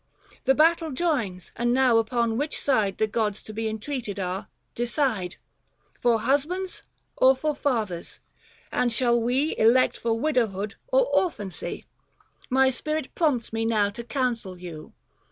The battle joins, and now upon which side The gods to be entreated are, decide — For Husbands or for Fathers ?— and shall we Elect for widowhood or orphancy ? 225 My spirit prompts me now to counsel you.'